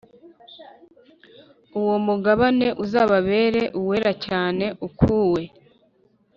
Uwo mugabane uzababere uwera cyane ukuwe